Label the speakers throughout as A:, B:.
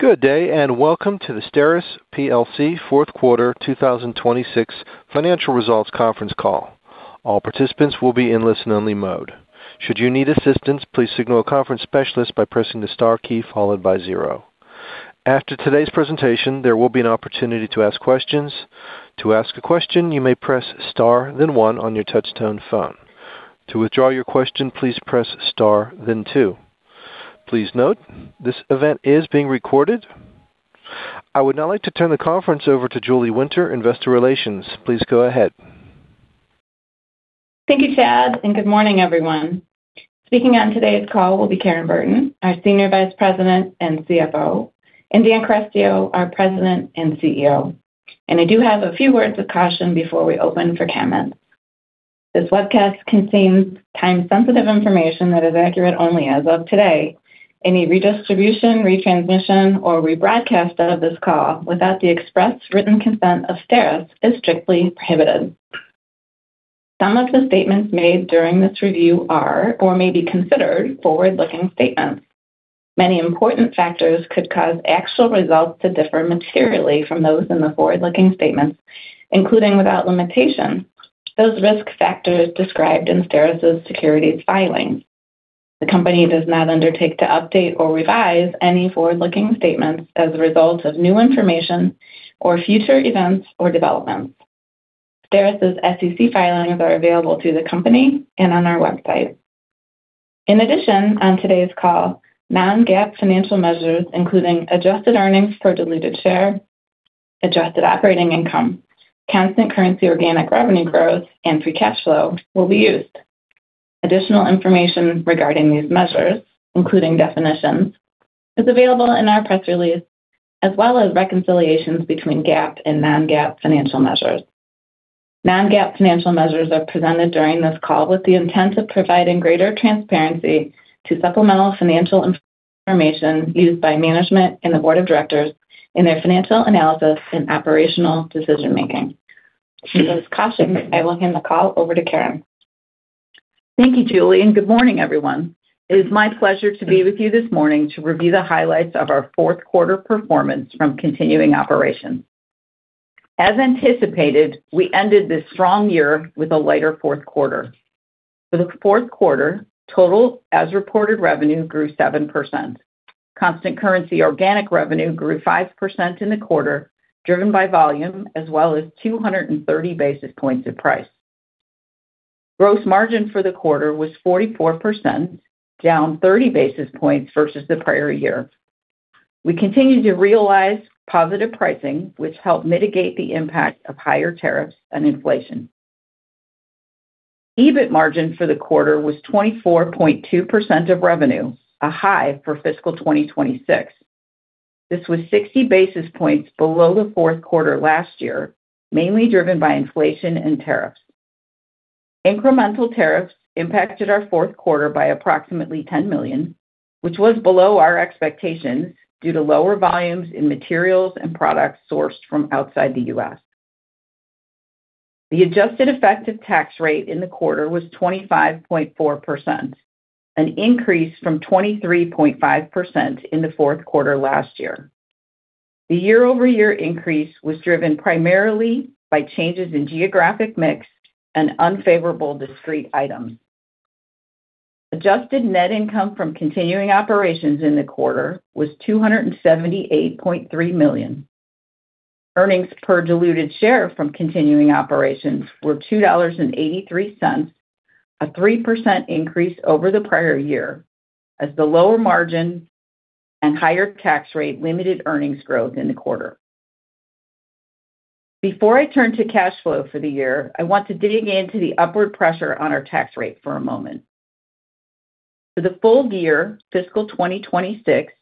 A: Good day, and welcome to the STERIS plc fourth quarter 2026 financial results conference call. All participant will be in listen-only mode. Should you need assistance, please signal a conference specialist by pressing the star key followed by zero. After today's presentation, there will be an opportunity to ask questions. To ask a question, you may press star then one on your touch-tone phone. To withdraw your question, please press star then two. Please note this event is being recorded. I would now like to turn the conference over to Julie Winter, Investor Relations. Please go ahead.
B: Thank you, Chad, good morning, everyone. Speaking on today's call will be Karen Burton, our Senior Vice President and CFO, and Dan Carestio, our President and CEO. I do have a few words of caution before we open for comments. This webcast contains time-sensitive information that is accurate only as of today. Any redistribution, retransmission, or rebroadcast out of this call without the express written consent of STERIS is strictly prohibited. Some of the statements made during this review are or may be considered forward-looking statements. Many important factors could cause actual results to differ materially from those in the forward-looking statements, including without limitation, those risk factors described in STERIS's securities filings. The company does not undertake to update or revise any forward-looking statements as a result of new information or future events or developments. STERIS's SEC filings are available to the company and on our website. In addition, on today's call, non-GAAP financial measures, including adjusted earnings per diluted share, adjusted operating income, constant currency organic revenue growth, and free cash flow will be used. Additional information regarding these measures, including definitions, is available in our press release, as well as reconciliations between GAAP and non-GAAP financial measures. Non-GAAP financial measures are presented during this call with the intent of providing greater transparency to supplemental financial information used by management and the board of directors in their financial analysis and operational decision-making. With those cautions, I will hand the call over to Karen.
C: Thank you, Julie. Good morning, everyone. It is my pleasure to be with you this morning to review the highlights of our fourth quarter performance from continuing operations. As anticipated, we ended this strong year with a lighter fourth quarter. For the fourth quarter, total as-reported revenue grew 7%. Constant currency organic revenue grew 5% in the quarter, driven by volume as well as 230 basis points of price. Gross margin for the quarter was 44%, down 30 basis points versus the prior year. We continued to realize positive pricing, which helped mitigate the impact of higher tariffs and inflation. EBIT margin for the quarter was 24.2% of revenue, a high for fiscal 2026. This was 60 basis points below the fourth quarter last year, mainly driven by inflation and tariffs. Incremental tariffs impacted our fourth quarter by approximately $10 million, which was below our expectations due to lower volumes in materials and products sourced from outside the U.S. The adjusted effective tax rate in the quarter was 25.4%, an increase from 23.5% in the fourth quarter last year. The year-over-year increase was driven primarily by changes in geographic mix and unfavorable discrete items. Adjusted net income from continuing operations in the quarter was $278.3 million. Earnings per diluted share from continuing operations were $2.83, a 3% increase over the prior year as the lower margin and higher tax rate limited earnings growth in the quarter. Before I turn to cash flow for the year, I want to dig into the upward pressure on our tax rate for a moment. For the full year fiscal 2026,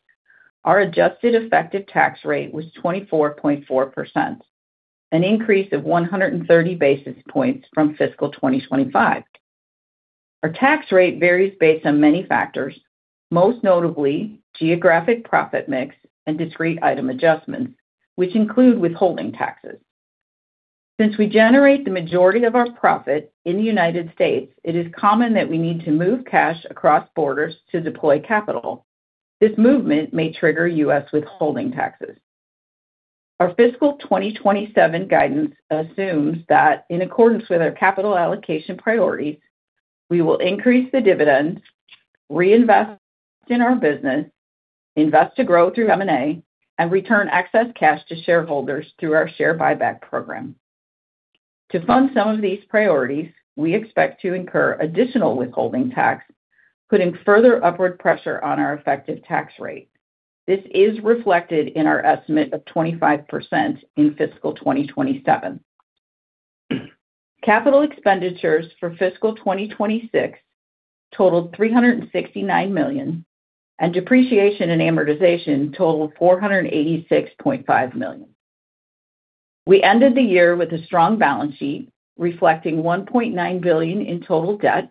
C: our adjusted effective tax rate was 24.4%, an increase of 130 basis points from fiscal 2025. Our tax rate varies based on many factors, most notably geographic profit mix and discrete item adjustments, which include withholding taxes. Since we generate the majority of our profit in the U.S., it is common that we need to move cash across borders to deploy capital. This movement may trigger U.S. withholding taxes. Our fiscal 2027 guidance assumes that in accordance with our capital allocation priorities, we will increase the dividends, reinvest in our business, invest to grow through M&A, and return excess cash to shareholders through our share buyback program. To fund some of these priorities, we expect to incur additional withholding tax, putting further upward pressure on our effective tax rate. This is reflected in our estimate of 25% in fiscal 2027. Capital expenditures for fiscal 2026 totaled $369 million, and depreciation and amortization totaled $486.5 million. We ended the year with a strong balance sheet reflecting $1.9 billion in total debt.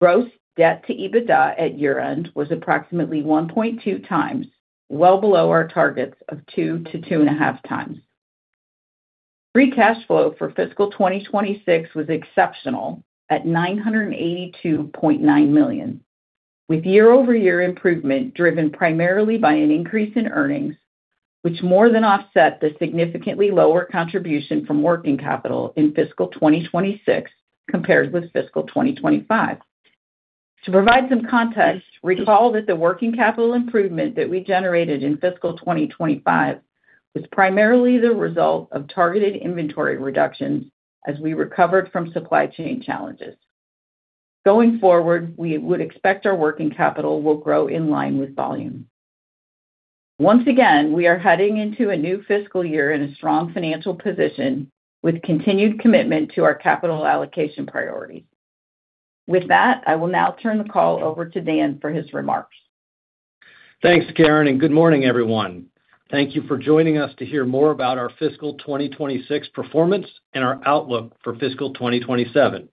C: Gross debt-to-EBITDA at year-end was approximately 1.2x, well below our targets of 2x-2.5x. Free cash flow for fiscal 2026 was exceptional at $982.9 million, with year-over-year improvement driven primarily by an increase in earnings, which more than offset the significantly lower contribution from working capital in fiscal 2026 compared with fiscal 2025. To provide some context, recall that the working capital improvement that we generated in fiscal 2025 was primarily the result of targeted inventory reductions as we recovered from supply chain challenges. Going forward, we would expect our working capital will grow in line with volume. Once again, we are heading into a new fiscal year in a strong financial position with continued commitment to our capital allocation priorities. With that, I will now turn the call over to Dan for his remarks.
D: Thanks, Karen. Good morning, everyone. Thank you for joining us to hear more about our fiscal 2026 performance and our outlook for fiscal 2027.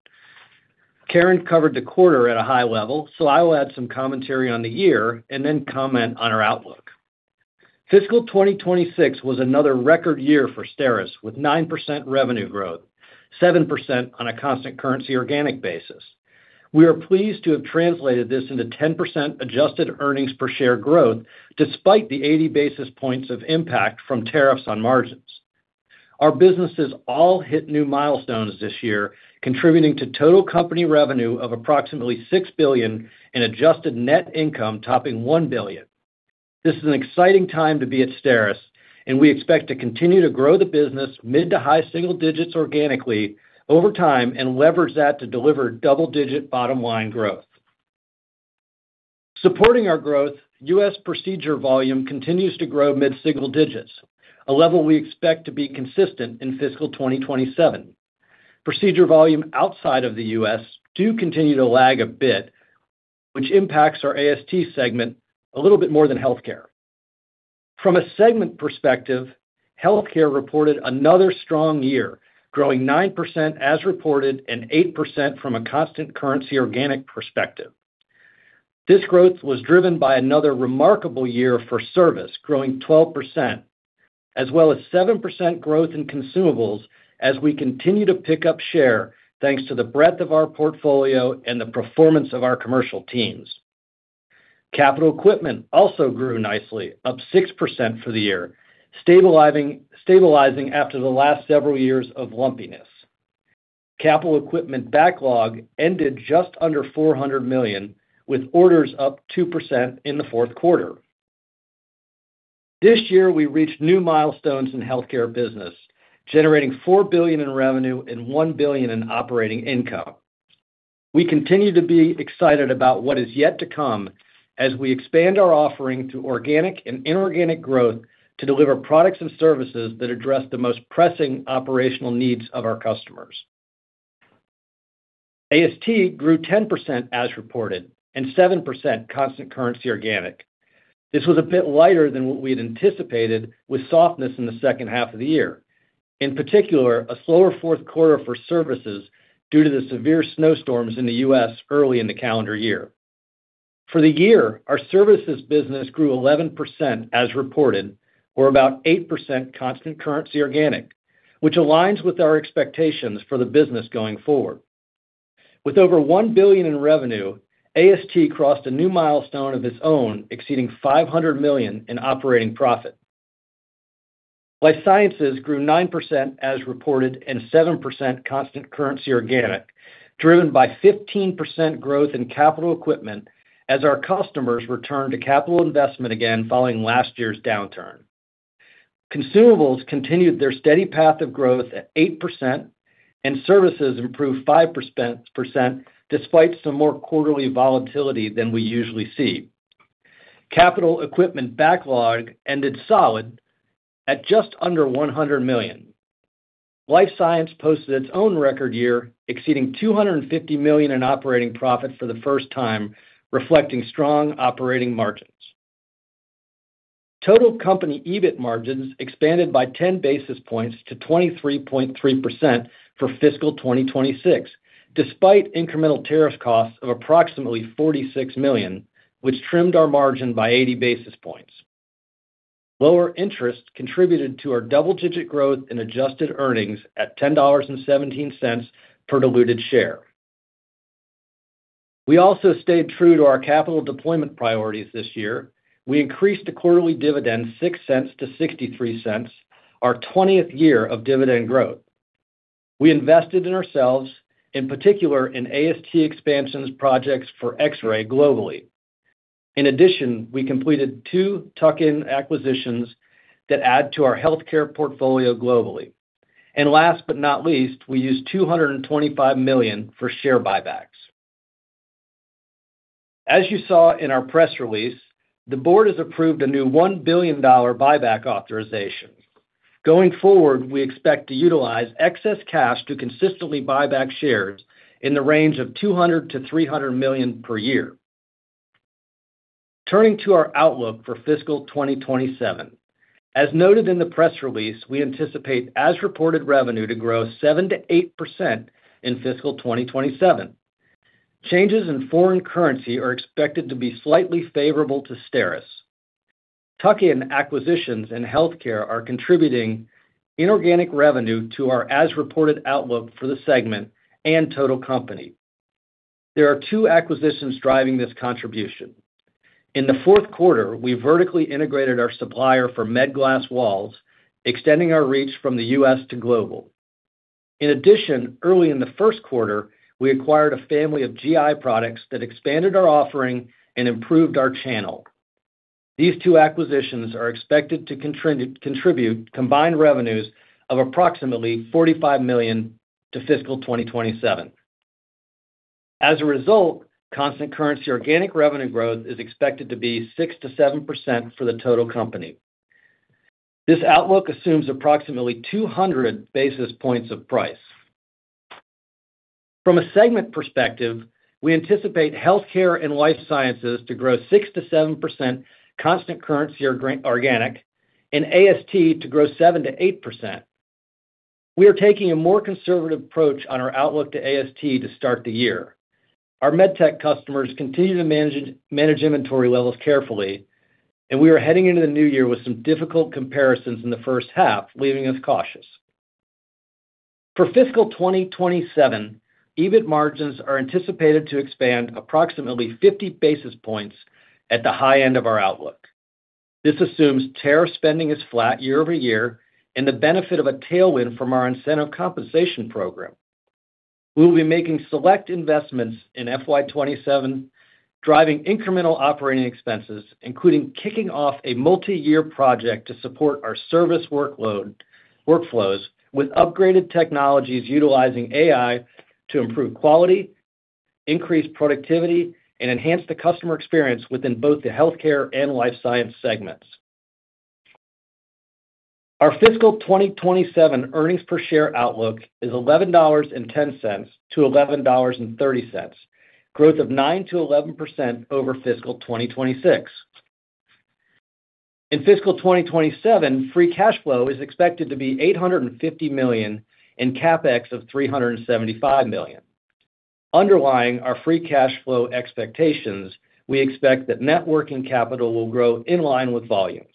D: Karen covered the quarter at a high level. I will add some commentary on the year and then comment on our outlook. Fiscal 2026 was another record year for STERIS with 9% revenue growth, 7% on a constant currency organic basis. We are pleased to have translated this into 10% adjusted earnings per share growth despite the 80 basis points of impact from tariffs on margins. Our businesses all hit new milestones this year, contributing to total company revenue of approximately $6 billion and adjusted net income topping $1 billion. This is an exciting time to be at STERIS, and we expect to continue to grow the business mid to high single digits organically over time and leverage that to deliver double-digit bottom-line growth. Supporting our growth, U.S. procedure volume continues to grow mid-single digits, a level we expect to be consistent in fiscal 2027. Procedure volume outside of the U.S. do continue to lag a bit, which impacts our AST segment a little bit more than Healthcare. From a segment perspective, Healthcare reported another strong year, growing 9% as reported and 8% from a constant currency organic perspective. This growth was driven by another remarkable year for service, growing 12%, as well as 7% growth in consumables as we continue to pick up share thanks to the breadth of our portfolio and the performance of our commercial teams. Capital equipment also grew nicely, up 6% for the year, stabilizing after the last several years of lumpiness. Capital equipment backlog ended just under $400 million, with orders up 2% in the fourth quarter. This year, we reached new milestones in Healthcare business, generating $4 billion in revenue and $1 billion in operating income. We continue to be excited about what is yet to come as we expand our offering through organic and inorganic growth to deliver products and services that address the most pressing operational needs of our customers. AST grew 10% as reported and 7% constant currency organic. This was a bit lighter than what we had anticipated with softness in the second half of the year, in particular, a slower fourth quarter for services due to the severe snowstorms in the U.S. early in the calendar year. For the year, our services business grew 11% as reported, or about 8% constant currency organic, which aligns with our expectations for the business going forward. With over $1 billion in revenue, AST crossed a new milestone of its own, exceeding $500 million in operating profit. Life Sciences grew 9% as reported and 7% constant currency organic, driven by 15% growth in capital equipment as our customers returned to capital investment again following last year's downturn. Consumables continued their steady path of growth at 8%, and services improved 5% despite some more quarterly volatility than we usually see. Capital equipment backlog ended solid at just under $100 million. Life Sciences posted its own record year, exceeding $250 million in operating profit for the first time, reflecting strong operating margins. Total company EBIT margins expanded by 10 basis points to 23.3% for fiscal 2026, despite incremental tariff costs of approximately $46 million, which trimmed our margin by 80 basis points. Lower interest contributed to our double-digit growth in adjusted earnings at $10.17 per diluted share. We also stayed true to our capital deployment priorities this year. We increased the quarterly dividend $0.06 to $0.63, our 20th year of dividend growth. We invested in ourselves, in particular in AST expansions projects for X-ray globally. In addition, we completed two tuck-in acquisitions that add to our healthcare portfolio globally. Last but not least, we used $225 million for share buybacks. As you saw in our press release, the board has approved a new $1 billion buyback authorization. Going forward, we expect to utilize excess cash to consistently buy back shares in the range of $200 million-$300 million per year. Turning to our outlook for fiscal 2027. As noted in the press release, we anticipate as-reported revenue to grow 7%-8% in fiscal 2027. Changes in foreign currency are expected to be slightly favorable to STERIS. Tuck-in acquisitions and healthcare are contributing inorganic revenue to our as-reported outlook for the segment and total company. There are two acquisitions driving this contribution. In the fourth quarter, we vertically integrated our supplier for MEDglas Walls, extending our reach from the U.S. to global. In addition, early in the first quarter, we acquired a family of GI products that expanded our offering and improved our channel. These two acquisitions are expected to contribute combined revenues of approximately $45 million to fiscal 2027. As a result, constant currency organic revenue growth is expected to be 6%-7% for the total company. This outlook assumes approximately 200 basis points of price. From a segment perspective, we anticipate Healthcare and Life Sciences to grow 6%-7% constant currency organic and AST to grow 7%-8%. We are taking a more conservative approach on our outlook to AST to start the year. Our MedTech customers continue to manage inventory levels carefully, and we are heading into the new year with some difficult comparisons in the first half, leaving us cautious. For fiscal 2027, EBIT margins are anticipated to expand approximately 50 basis points at the high end of our outlook. This assumes tariff spending is flat year-over-year and the benefit of a tailwind from our Incentive Compensation program. We will be making select investments in FY 2027, driving incremental operating expenses, including kicking off a multiyear project to support our service workflows with upgraded technologies utilizing AI to improve quality, increase productivity, and enhance the customer experience within both the healthcare and life science segments. Our fiscal 2027 earnings per share outlook is $11.10-$11.30, growth of 9%-11% over fiscal 2026. In fiscal 2027, free cash flow is expected to be $850 million and CapEx of $375 million. Underlying our free cash flow expectations, we expect that net working capital will grow in line with volumes.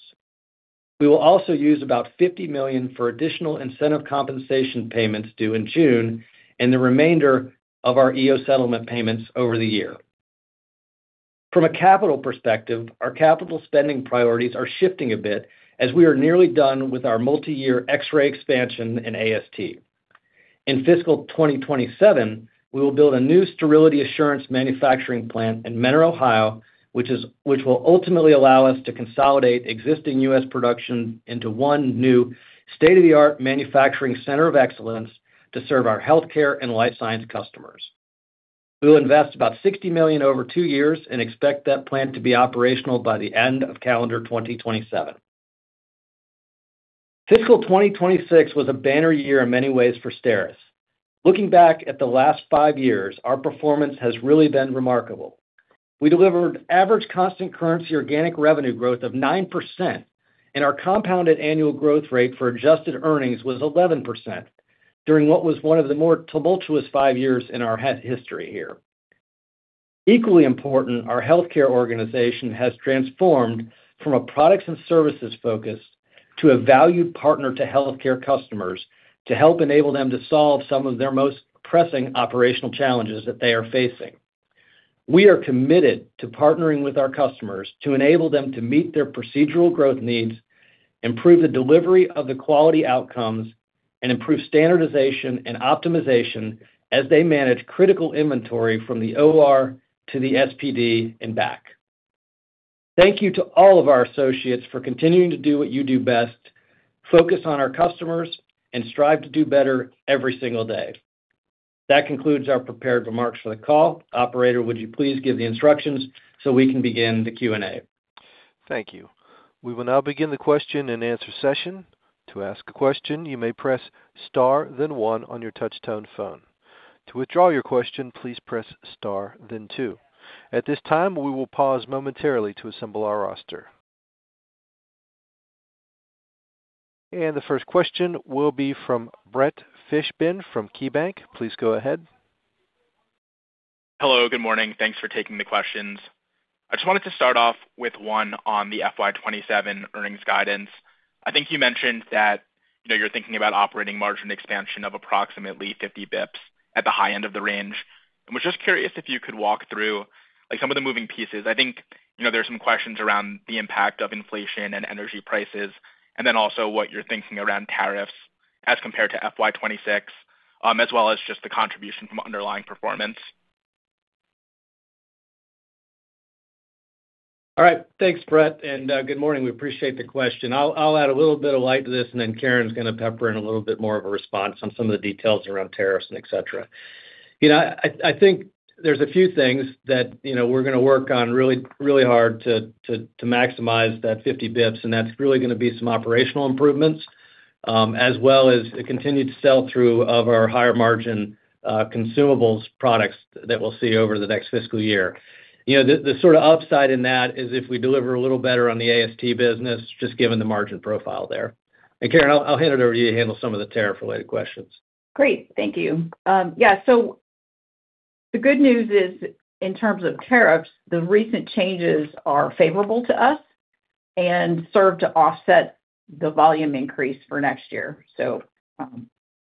D: We will also use about $50 million for additional incentive compensation payments due in June and the remainder of our EO settlement payments over the year. From a capital perspective, our capital spending priorities are shifting a bit as we are nearly done with our multi-year X-ray expansion in AST. In fiscal 2027, we will build a new sterility assurance manufacturing plant in Mentor, Ohio, which will ultimately allow us to consolidate existing U.S. production into one new state-of-the-art manufacturing center of excellence to serve our healthcare and life science customers. We will invest about $60 million over two years and expect that plant to be operational by the end of calendar 2027. Fiscal 2026 was a banner year in many ways for STERIS. Looking back at the last five years, our performance has really been remarkable. We delivered average constant currency organic revenue growth of 9%, and our compounded annual growth rate for adjusted earnings was 11% during what was one of the more tumultuous five years in our history here. Equally important, our healthcare organization has transformed from a products and services focus to a valued partner to healthcare customers to help enable them to solve some of their most pressing operational challenges that they are facing. We are committed to partnering with our customers to enable them to meet their procedural growth needs, improve the delivery of the quality outcomes, and improve standardization and optimization as they manage critical inventory from the OR to the SPD and back. Thank you to all of our associates for continuing to do what you do best, focus on our customers, and strive to do better every single day. That concludes our prepared remarks for the call. Operator, would you please give the instructions so we can begin the Q&A?
A: Thank you. We will now begin the question-and-answer session. To ask a question, you may press star then one on your touch-tone phone. To withdraw your question, please press star then two. At this time, we will pause momentarily to assemble our roster. The first question will be from Brett Fishbin from KeyBanc. Please go ahead.
E: Hello, good morning. Thanks for taking the questions. I just wanted to start off with one on the FY 2027 earnings guidance. I think you mentioned that, you know, you're thinking about operating margin expansion of approximately 50 basis points at the high end of the range. I was just curious if you could walk through, like, some of the moving pieces. I think, you know, there's some questions around the impact of inflation and energy prices, and then also what you're thinking around tariffs as compared to FY 2026, as well as just the contribution from underlying performance.
D: All right. Thanks, Brett, good morning. We appreciate the question. I'll add a little bit of light to this. Karen's gonna pepper in a little bit more of a response on some of the details around tariffs and et cetera. You know, I think there's a few things that, you know, we're gonna work on really hard to maximize that 50 basis points. That's really gonna be some operational improvements, as well as a continued sell-through of our higher margin consumables products that we'll see over the next fiscal year. You know, the sort of upside in that is if we deliver a little better on the AST business, just given the margin profile there. Karen, I'll hand it over to you to handle some of the tariff-related questions.
C: Great. Thank you. The good news is, in terms of tariffs, the recent changes are favorable to us and serve to offset the volume increase for next year.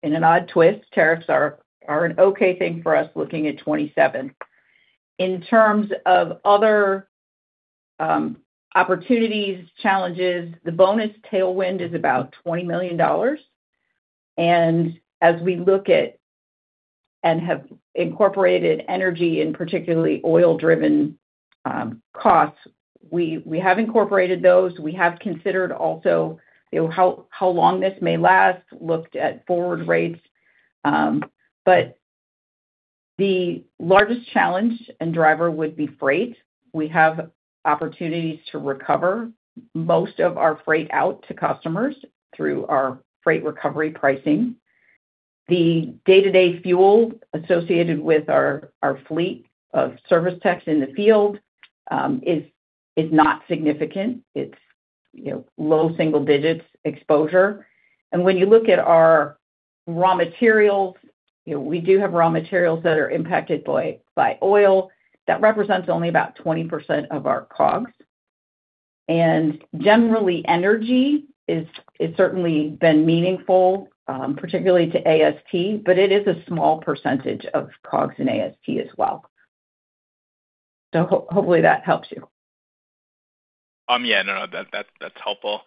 C: In an odd twist, tariffs are an okay thing for us looking at 2027. In terms of other opportunities, challenges, the bonus tailwind is about $20 million. As we look at and have incorporated energy, and particularly oil-driven costs, we have incorporated those. We have considered also, you know, how long this may last, looked at forward rates. The largest challenge and driver would be freight. We have opportunities to recover most of our freight out to customers through our freight recovery pricing. The day-to-day fuel associated with our fleet of service techs in the field is not significant. It's, you know, low single digits exposure. When you look at our raw materials, you know, we do have raw materials that are impacted by oil. That represents only about 20% of our COGS. Generally, energy is, has certainly been meaningful, particularly to AST, but it is a small percentage of COGS in AST as well. Hopefully that helps you.
E: Yeah, no, that's helpful.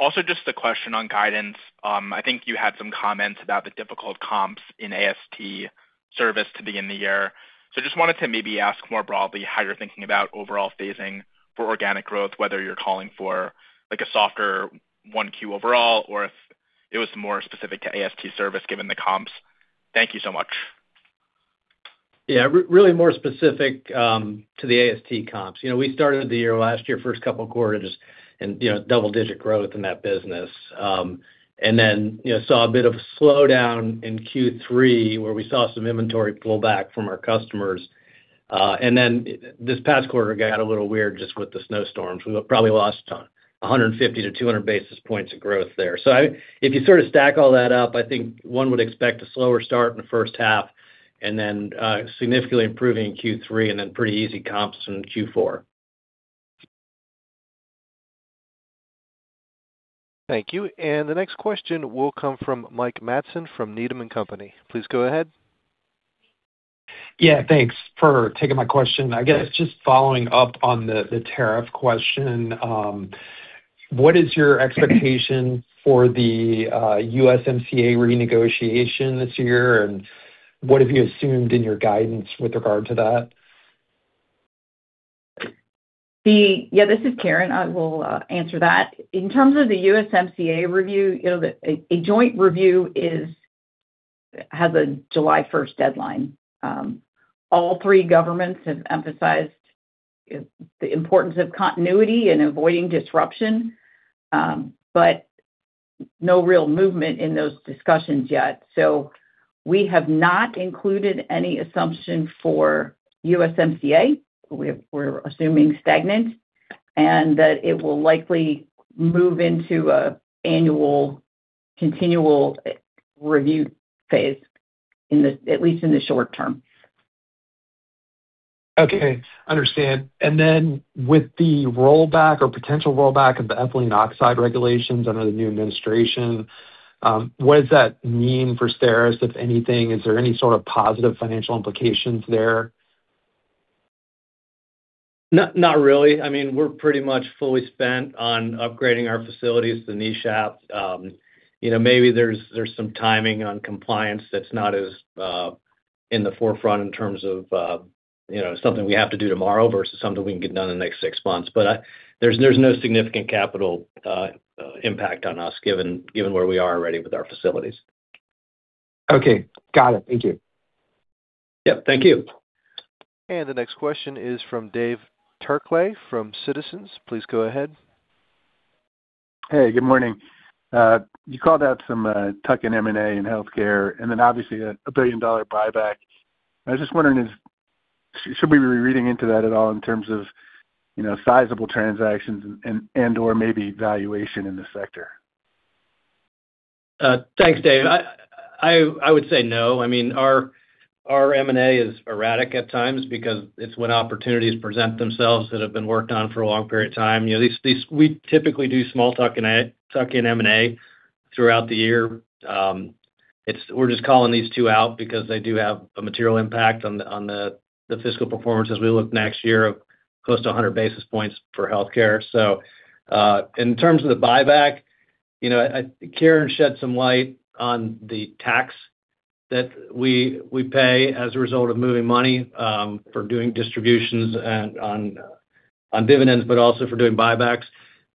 E: Also just a question on guidance. I think you had some comments about the difficult comps in AST service to begin the year. Just wanted to maybe ask more broadly how you're thinking about overall phasing for organic growth, whether you're calling for like a softer 1Q overall, or if it was more specific to AST service given the comps. Thank you so much.
D: Yeah, really more specific to the AST comps. You know, we started the year last year, first couple quarters and, you know, double-digit growth in that business. Then, you know, saw a bit of a slowdown in Q3, where we saw some inventory pullback from our customers. Then this past quarter got a little weird just with the snowstorms. We probably lost 150 to 200 basis points of growth there. If you sort of stack all that up, I think one would expect a slower start in the first half then significantly improving in Q3 then pretty easy comps from Q4.
A: Thank you. The next question will come from Mike Matson from Needham & Company. Please go ahead.
F: Yeah, thanks for taking my question. I guess just following up on the tariff question. What is your expectation for the USMCA renegotiation this year, and what have you assumed in your guidance with regard to that?
C: Yeah, this is Karen. I will answer that. In terms of the USMCA review, you know, a joint review has a July 1st deadline. All three governments have emphasized the importance of continuity and avoiding disruption, no real movement in those discussions yet. We have not included any assumption for USMCA. We're assuming stagnant, and that it will likely move into a annual continual review phase at least in the short term.
F: Okay. Understand. Then with the rollback or potential rollback of the ethylene oxide regulations under the new administration, what does that mean for STERIS, if anything? Is there any sort of positive financial implications there?
D: Not really. I mean, we're pretty much fully spent on upgrading our facilities, the NESHAP. You know, maybe there's some timing on compliance that's not as in the forefront in terms of, you know, something we have to do tomorrow versus something we can get done in the next six months. There's no significant capital impact on us given where we are already with our facilities.
F: Okay. Got it. Thank you.
D: Yeah, thank you.
A: The next question is from Dave Turkaly from Citizens. Please go ahead.
G: Good morning. You called out some tuck-in M&A in healthcare and then obviously a billion-dollar buyback. I was just wondering, should we be reading into that at all in terms of, you know, sizable transactions and/or maybe valuation in the sector?
D: Thanks, Dave. I would say no. I mean, our M&A is erratic at times because it's when opportunities present themselves that have been worked on for a long period of time. You know, we typically do small tuck-in M&A throughout the year. We're just calling these two out because they do have a material impact on the fiscal performance as we look next year of close to 100 basis points for healthcare. In terms of the buyback, you know, Karen shed some light on the tax that we pay as a result of moving money for doing distributions and on dividends, but also for doing buybacks.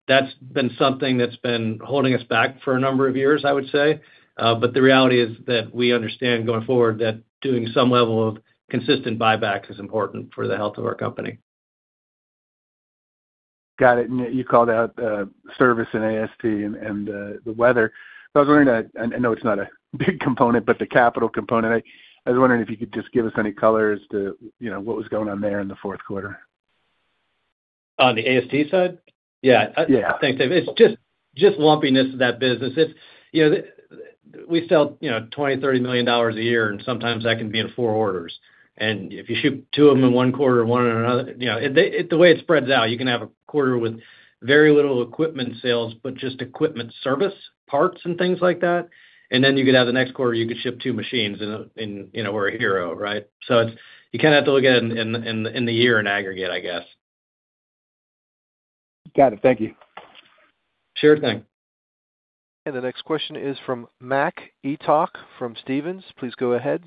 D: That's been something that's been holding us back for a number of years, I would say. The reality is that we understand going forward that doing some level of consistent buyback is important for the health of our company.
G: Got it. You called out service and AST and the weather. I was wondering, I know it's not a big component, but the capital component. I was wondering if you could just give us any color as to, you know, what was going on there in the fourth quarter.
D: On the AST side? Yeah.
G: Yeah.
D: Thanks, Dave. It's just lumpiness of that business. It's, you know, we sell, you know, $20 million, $30 million a year. Sometimes that can be in four orders. If you ship two of them in one quarter, one in another, you know, the way it spreads out, you can have a quarter with very little equipment sales, but just equipment service parts and things like that. Then you could have the next quarter, you could ship two machines in, you know, we're a hero, right? It's, you kinda have to look at it in the year in aggregate, I guess.
G: Got it. Thank you.
D: Sure thing.
A: The next question is from Mac Etoch from Stephens. Please go ahead.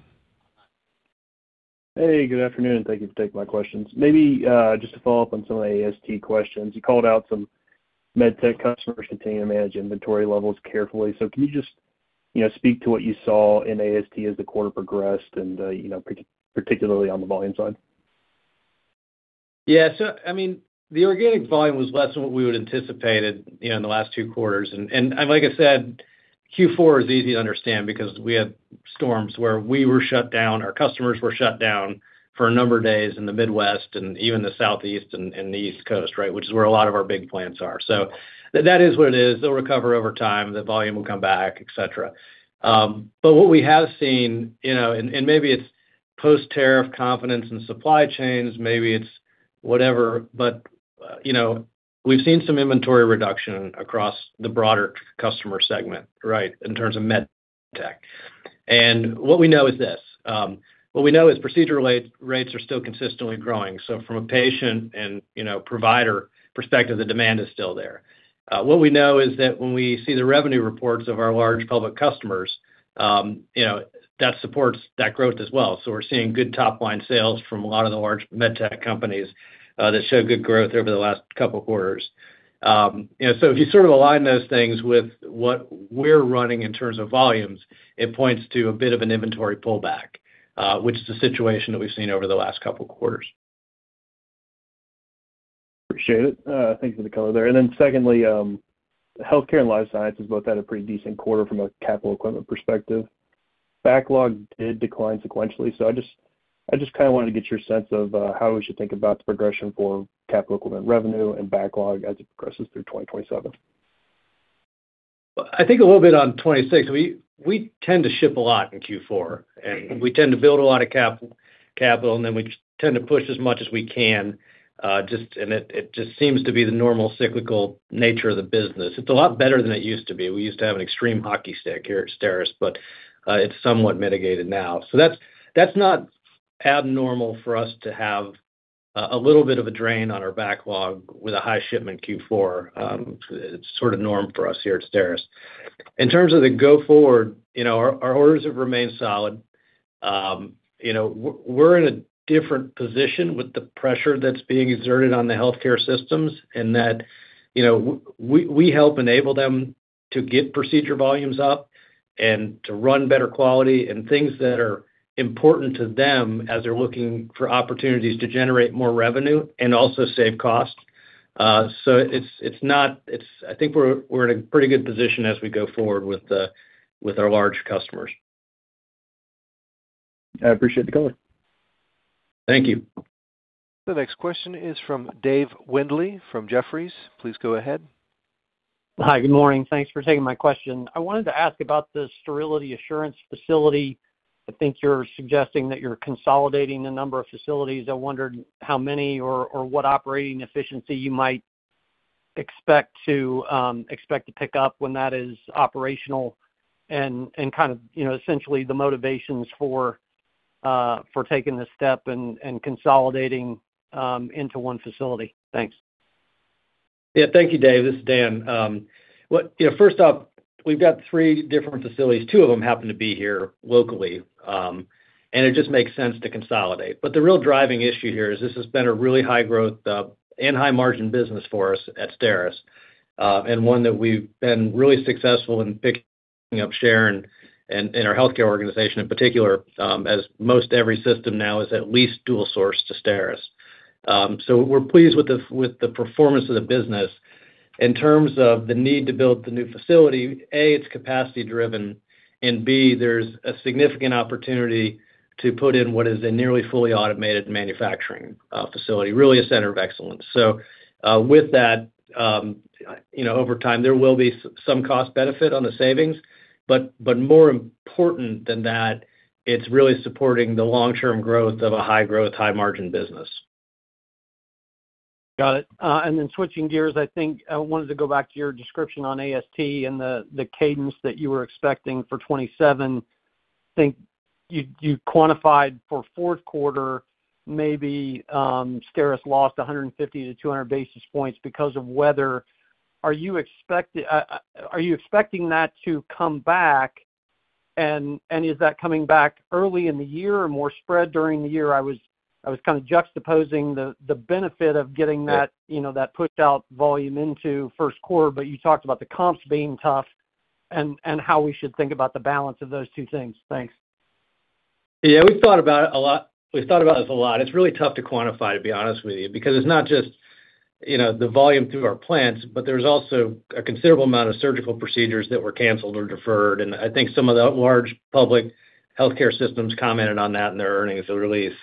H: Hey, good afternoon. Thank you for taking my questions. Maybe, just to follow up on some of the AST questions. You called out some MedTech customers continuing to manage inventory levels carefully. Can you just, you know, speak to what you saw in AST as the quarter progressed and, you know, particularly on the volume side?
D: Yeah. I mean, the organic volume was less than what we would anticipated, you know, in the last two quarters. Like I said, Q4 is easy to understand because we had storms where we were shut down, our customers were shut down for a number of days in the Midwest and even the Southeast and the East Coast, right, which is where a lot of our big plants are. That is what it is. They'll recover over time, the volume will come back, et cetera. What we have seen, you know, and maybe it's post-tariff confidence in supply chains, maybe it's whatever, we've seen some inventory reduction across the broader customer segment, right, in terms of med tech. What we know is this. What we know is procedure rates are still consistently growing. From a patient and, you know, provider perspective, the demand is still there. What we know is that when we see the revenue reports of our large public customers, you know, that supports that growth as well. We're seeing good top-line sales from a lot of the large MedTech companies that show good growth over the last couple of quarters. You know, if you sort of align those things with what we're running in terms of volumes, it points to a bit of an inventory pullback, which is the situation that we've seen over the last couple of quarters.
H: Appreciate it. Thank you for the color there. Secondly, healthcare and life science has both had a pretty decent quarter from a capital equipment perspective. Backlog did decline sequentially. I just kinda wanted to get your sense of how we should think about the progression for capital equipment revenue and backlog as it progresses through 2027.
D: I think a little bit on 2026, we tend to ship a lot in Q4, and we tend to build a lot of capital, and then we tend to push as much as we can, it just seems to be the normal cyclical nature of the business. It's a lot better than it used to be. We used to have an extreme hockey stick here at STERIS, but it's somewhat mitigated now. That's not abnormal for us to have a little bit of a drain on our backlog with a high shipment Q4. It's sort of norm for us here at STERIS. In terms of the go-forward, you know, our orders have remained solid. You know, we're in a different position with the pressure that's being exerted on the healthcare systems, in that, you know, we help enable them to get procedure volumes up and to run better quality and things that are important to them as they're looking for opportunities to generate more revenue and also save costs. I think we're in a pretty good position as we go forward with our large customers.
H: I appreciate the color.
D: Thank you.
A: The next question is from Dave Windley from Jefferies. Please go ahead.
I: Hi, good morning. Thanks for taking my question. I wanted to ask about the sterility assurance facility. I think you're suggesting that you're consolidating a number of facilities. I wondered how many or what operating efficiency you might expect to pick up when that is operational and kind of, you know, essentially the motivations for taking this step and consolidating into one facility. Thanks.
D: Thank you, Dave. This is Dan. You know, first off, we've got three different facilities. Two of them happen to be here locally, and it just makes sense to consolidate. The real driving issue here is this has been a really high growth and high margin business for us at STERIS, and one that we've been really successful in picking up share in our healthcare organization in particular, as most every system now is at least dual source to STERIS. We're pleased with the performance of the business. In terms of the need to build the new facility, A, it's capacity driven, and B, there's a significant opportunity to put in what is a nearly fully automated manufacturing facility, really a center of excellence. With that, you know, over time, there will be some cost benefit on the savings. More important than that, it's really supporting the long-term growth of a high-growth, high-margin business.
I: Got it. Then switching gears, I think I wanted to go back to your description on AST and the cadence that you were expecting for 2027. I think you quantified for fourth quarter, maybe, STERIS lost 150 to 200 basis points because of weather. Are you expecting that to come back? Is that coming back early in the year or more spread during the year? I was kind of juxtaposing the benefit of getting that.
D: Yeah
I: You know, that pushed out volume into first quarter, but you talked about the comps being tough and how we should think about the balance of those two things. Thanks.
D: Yeah, we've thought about it a lot. We've thought about this a lot. It's really tough to quantify, to be honest with you, because it's not just, you know, the volume through our plants, but there's also a considerable amount of surgical procedures that were canceled or deferred. I think some of the large public healthcare systems commented on that in their earnings release.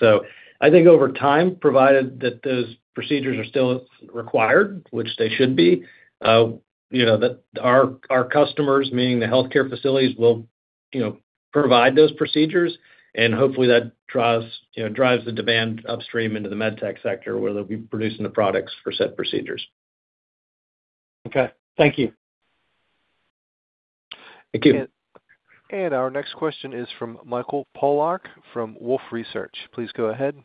D: I think over time, provided that those procedures are still required, which they should be, you know, that our customers, meaning the healthcare facilities, will, you know, provide those procedures and hopefully that drives, you know, drives the demand upstream into the MedTech sector where they'll be producing the products for said procedures.
I: Okay. Thank you.
D: Thank you.
A: Our next question is from Michael Polark from Wolfe Research. Please go ahead.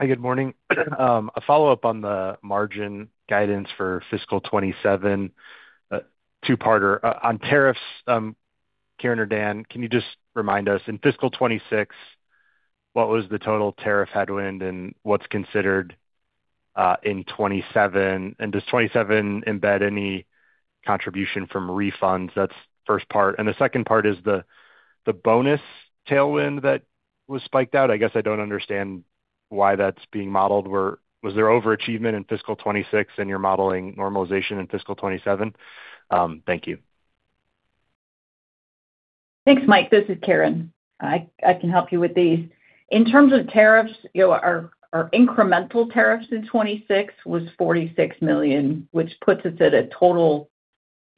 J: Hi, good morning. A follow-up on the margin guidance for fiscal 2027. Two-parter. On tariffs, Karen or Dan, can you just remind us, in fiscal 2026, what was the total tariff headwind and what's considered in 2027? Does 2027 embed any contribution from refunds? That's the first part. The second part is the bonus tailwind that was spelled out. I guess I don't understand why that's being modeled. Was there overachievement in fiscal 2026 and you're modeling normalization in fiscal 2027? Thank you.
C: Thanks, Mike. This is Karen. I can help you with these. In terms of tariffs, you know, our incremental tariffs in 2026 was $46 million, which puts us at a total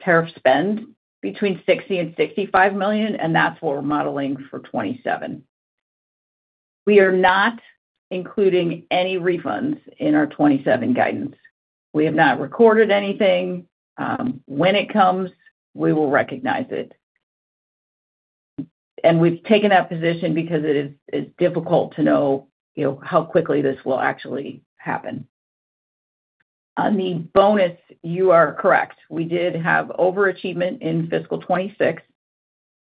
C: tariff spend between $60 million and $65 million, and that's what we're modeling for 2027. We are not including any refunds in our 2027 guidance. We have not recorded anything. When it comes, we will recognize it. We've taken that position because it's difficult to know, you know, how quickly this will actually happen. On the bonus, you are correct. We did have overachievement in fiscal 2026,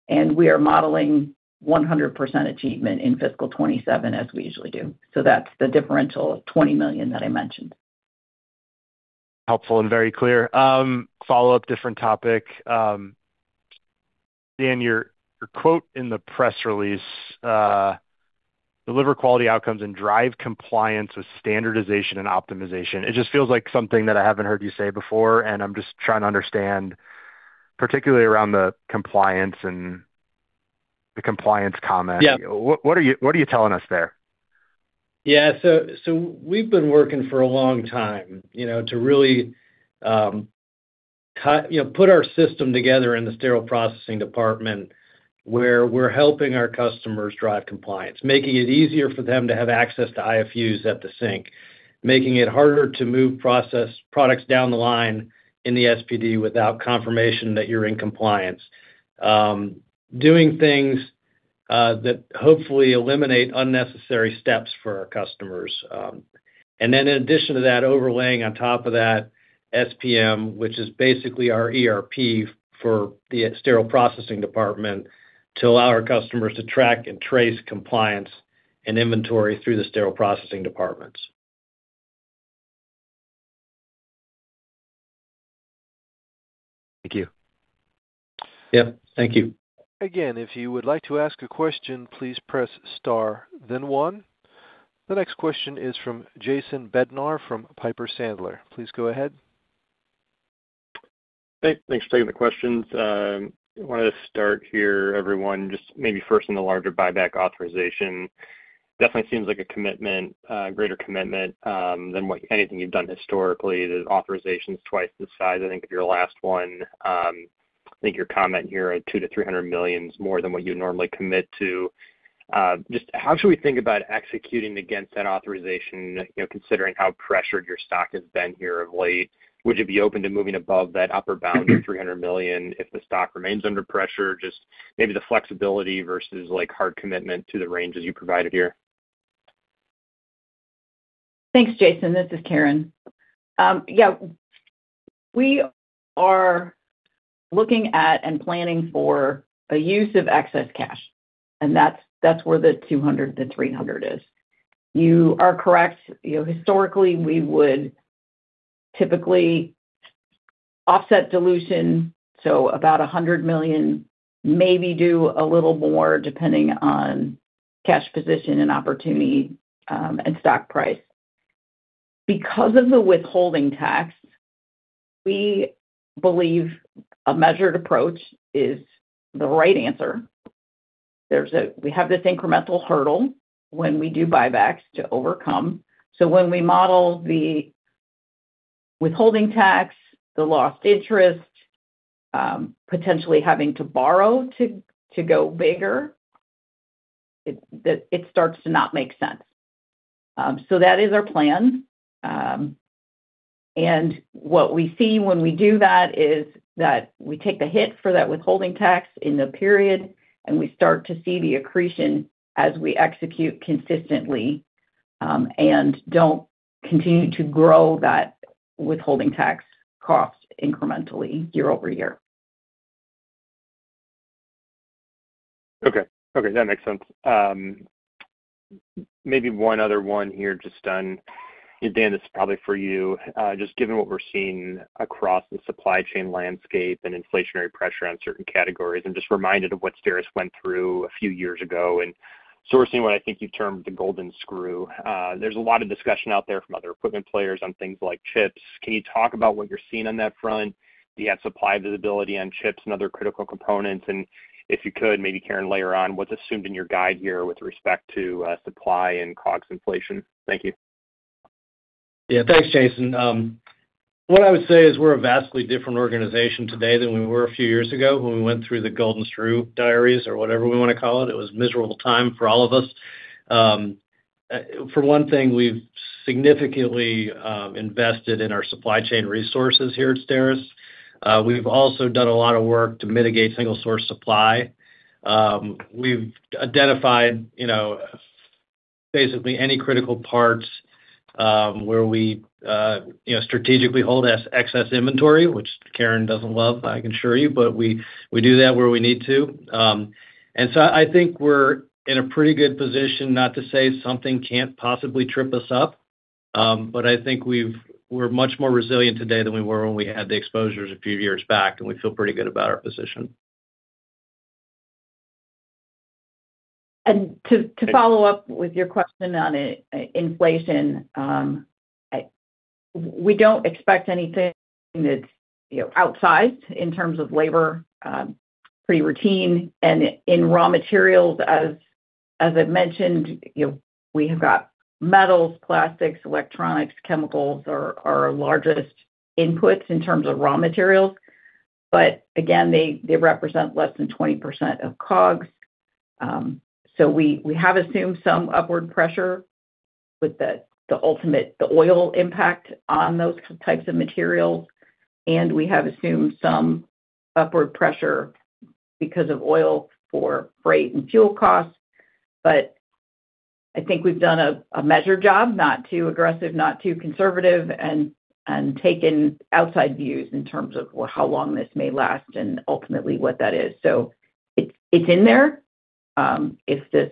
C: and we are modeling 100% achievement in fiscal 2027 as we usually do. That's the differential of $20 million that I mentioned.
J: Helpful and very clear. Follow-up, different topic. Dan, your quote in the press release, "Deliver quality outcomes and drive compliance with standardization and optimization." It just feels like something that I haven't heard you say before, and I'm just trying to understand particularly around the compliance and the compliance comment.
D: Yeah.
J: What are you telling us there?
D: Yeah. We've been working for a long time, you know, to really, you know, put our system together in the sterile processing department where we're helping our customers drive compliance, making it easier for them to have access to IFUs at the sink, making it harder to move products down the line in the SPD without confirmation that you're in compliance. Doing things that hopefully eliminate unnecessary steps for our customers. In addition to that, overlaying on top of that SPM, which is basically our ERP for the sterile processing department, to allow our customers to track and trace compliance and inventory through the sterile processing departments.
J: Thank you.
D: Yep. Thank you.
A: Again, if you would like to ask a question, please press star then one. The next question is from Jason Bednar from Piper Sandler. Please go ahead.
K: Hey, thanks for taking the questions. Wanted to start here, everyone, just maybe first on the larger buyback authorization. Definitely seems like a commitment, greater commitment than what anything you've done historically. The authorization's twice the size, I think, of your last one. I think your comment here of $200 million-$300 million is more than what you'd normally commit to. Just how should we think about executing against that authorization, you know, considering how pressured your stock has been here of late? Would you be open to moving above that upper bound of $300 million if the stock remains under pressure? Just maybe the flexibility versus, like, hard commitment to the ranges you provided here.
C: Thanks, Jason. This is Karen. Yeah, we are looking at and planning for a use of excess cash, and that's where the $200 million-$300 million is. You are correct. You know, historically, we would typically offset dilution, so about $100 million, maybe do a little more depending on cash position and opportunity, and stock price. Because of the withholding tax, we believe a measured approach is the right answer. We have this incremental hurdle when we do buybacks to overcome. When we model the withholding tax, the lost interest, potentially having to borrow to go bigger, it starts to not make sense. That is our plan. What we see when we do that is that we take the hit for that withholding tax in the period, and we start to see the accretion as we execute consistently and don't continue to grow that withholding tax cost incrementally year-over-year.
K: Okay. Okay, that makes sense. Maybe one other one here just on, Dan, this is probably for you. Just given what we're seeing across the supply chain landscape and inflationary pressure on certain categories, I'm just reminded of what STERIS went through a few years ago, sourcing what I think you termed the golden screw. There's a lot of discussion out there from other equipment players on things like chips. Can you talk about what you're seeing on that front? Do you have supply visibility on chips and other critical components? If you could, maybe Karen later on, what's assumed in your guide here with respect to supply and COGS inflation? Thank you.
D: Yeah. Thanks, Jason. What I would say is we're a vastly different organization today than we were a few years ago when we went through the golden screw diaries or whatever we wanna call it. It was a miserable time for all of us. For one thing, we've significantly invested in our supply chain resources here at STERIS. We've also done a lot of work to mitigate single source supply. We've identified, you know, basically any critical parts, where we, you know, strategically hold as excess inventory, which Karen doesn't love, I can assure you, but we do that where we need to. I think we're in a pretty good position, not to say something can't possibly trip us up, but I think we're much more resilient today than we were when we had the exposures a few years back, and we feel pretty good about our position.
C: To follow up with your question on inflation, we don't expect anything that's, you know, outsized in terms of labor, pretty routine. In raw materials, as I mentioned, you know, we have got metals, plastics, electronics, chemicals are our largest inputs in terms of raw materials. Again, they represent less than 20% of COGS. We have assumed some upward pressure with the ultimate oil impact on those types of materials, and we have assumed some upward pressure because of oil for freight and fuel costs. I think we've done a measured job, not too aggressive, not too conservative, and taken outside views in terms of, well, how long this may last and ultimately what that is. It's in there. If this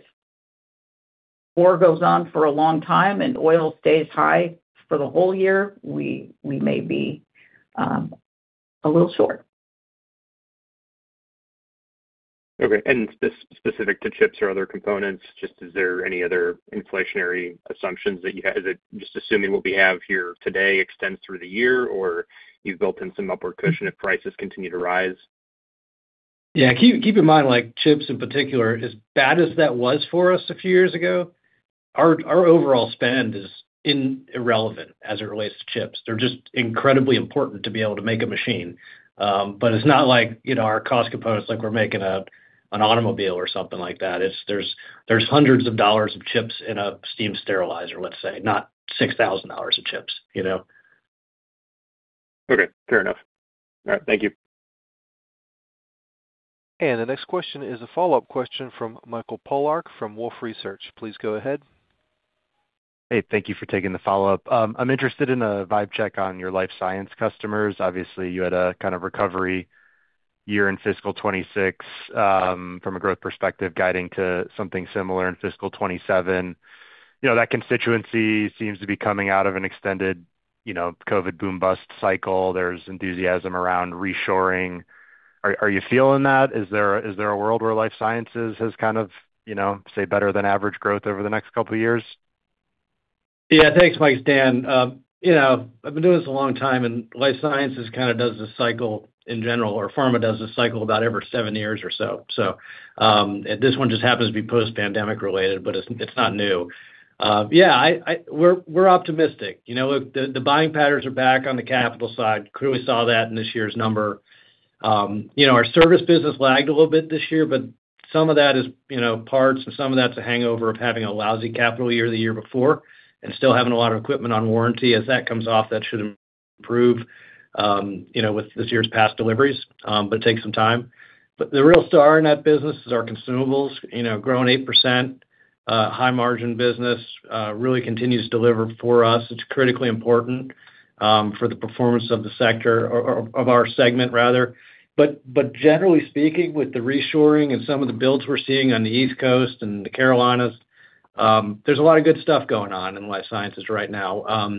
C: war goes on for a long time and oil stays high for the whole year, we may be a little short.
K: Okay. Specific to chips or other components, just is there any other inflationary assumptions that you had? Is it just assuming what we have here today extends through the year, or you've built in some upward cushion if prices continue to rise?
D: Yeah. Keep in mind, like, chips in particular, as bad as that was for us a few years ago, our overall spend is in-irrelevant as it relates to chips. They're just incredibly important to be able to make a machine. It's not like, you know, our cost components, like we're making an automobile or something like that. There's hundreds of dollars of chips in a steam sterilizer, let's say, not $6,000 of chips, you know.
K: Okay. Fair enough. All right. Thank you.
A: The next question is a follow-up question from Michael Polark from Wolfe Research. Please go ahead.
J: Hey, thank you for taking the follow-up. I'm interested in a vibe check on your life science customers. Obviously, you had a kind of recovery year in fiscal 2026, from a growth perspective, guiding to something similar in fiscal 2027. You know, that constituency seems to be coming out of an extended, you know, COVID boom bust cycle. There's enthusiasm around reshoring. Are you feeling that? Is there a world where life sciences has kind of, you know, say, better than average growth over the next couple of years?
D: Yeah. Thanks, Mike. It's Dan. You know, I've been doing this a long time, and life sciences kind of does a cycle in general, or pharma does a cycle about every seven years or so. This one just happens to be post-pandemic related, but it's not new. We're optimistic. You know, the buying patterns are back on the capital side. Clearly saw that in this year's number. You know, our service business lagged a little bit this year, but some of that is, you know, parts, and some of that's a hangover of having a lousy capital year the year before and still having a lot of equipment on warranty. As that comes off, that should improve, you know, with this year's past deliveries, but it takes some time. The real star in that business is our consumables, you know, growing 8%, high margin business, really continues to deliver for us. It's critically important for the performance of the sector or of our segment rather. Generally speaking, with the reshoring and some of the builds we're seeing on the East Coast and the Carolinas, there's a lot of good stuff going on in life sciences right now.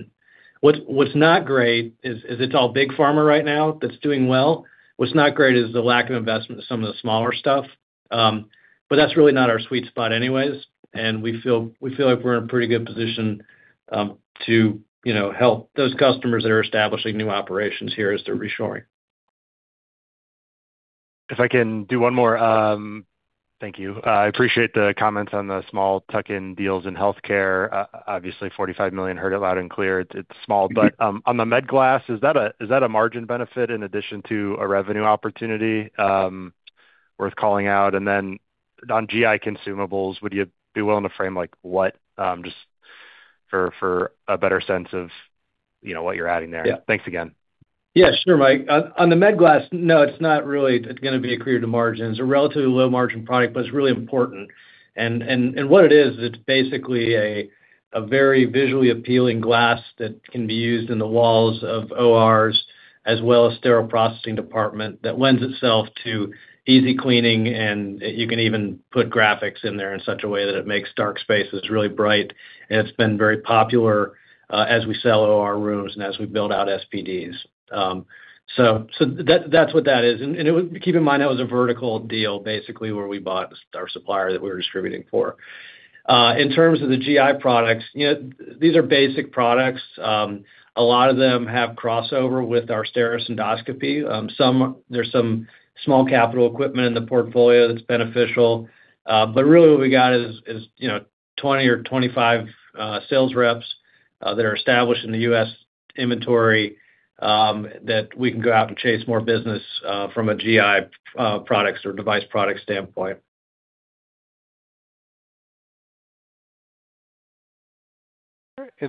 D: What's not great is it's all big pharma right now that's doing well. What's not great is the lack of investment in some of the smaller stuff. That's really not our sweet spot anyways, and we feel like we're in pretty good position to, you know, help those customers that are establishing new operations here as they're reshoring.
J: If I can do one more. Thank you. I appreciate the comments on the small tuck-in deals in healthcare. Obviously $45 million, heard it loud and clear. It's small. On the MEDglas, is that a margin benefit in addition to a revenue opportunity, worth calling out? On GI consumables, would you be willing to frame, like, what, just for a better sense of, you know, what you're adding there?
D: Yeah.
J: Thanks again.
D: Yeah, sure, Mike. On the MEDglas, no, it's not really gonna be accretive to margins. It's a relatively low margin product, but it's really important. What it is, it's basically a very visually appealing glass that can be used in the walls of ORs as well as Sterile Processing Department that lends itself to easy cleaning, and you can even put graphics in there in such a way that it makes dark spaces really bright. It's been very popular as we sell OR rooms and as we build out SPDs. That's what that is. Keep in mind, that was a vertical deal, basically, where we bought our supplier that we were distributing for. In terms of the GI products, you know, these are basic products. A lot of them have crossover with our STERIS Endoscopy. There's some small capital equipment in the portfolio that's beneficial. Really what we got is, you know, 20 or 25 sales reps that are established in the U.S. inventory that we can go out and chase more business from a GI products or device product standpoint.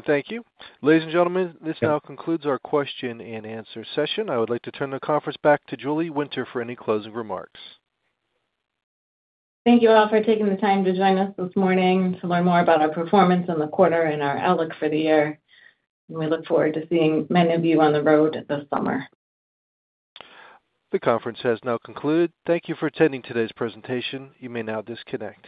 A: Thank you. Ladies and gentlemen, this now concludes our question and answer session. I would like to turn the conference back to Julie Winter for any closing remarks.
B: Thank you all for taking the time to join us this morning to learn more about our performance in the quarter and our outlook for the year. We look forward to seeing many of you on the road this summer.
A: The conference has now concluded. Thank you for attending today's presentation. You may now disconnect.